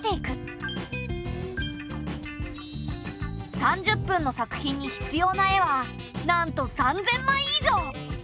３０分の作品に必要な絵はなんと３，０００枚以上！